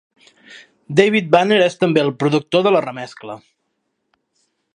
David Banner és també el productor de la remescla.